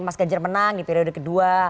mas ganjar menang di periode kedua